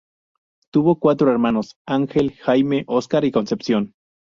Tuvo cuatro hermanos: Ángel, Jaime, Oscar y Concepción.